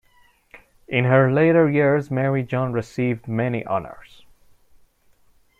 In her later years Mary John received many honors.